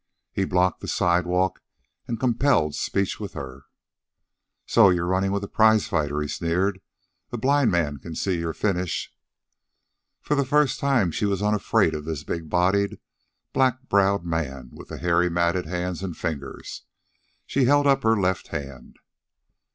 He blocked the sidewalk, and compelled speech with her. "So you're runnin' with a prizefighter," he sneered. "A blind man can see your finish." For the first time she was unafraid of this big bodied, black browed man with the hairy matted hands and fingers. She held up her left hand.